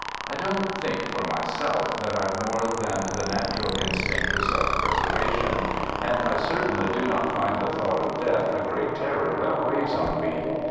I don't think for myself that IVe more than the natural instinct of self preservation, and I certainly do not find the thought of death a great terror that weighs on me.